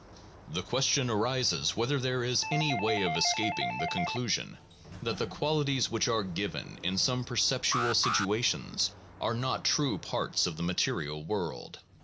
The question arises whether there is any way of escaping the conclusion that the qualities which are given in some perceptual situations are not true parts of the material world.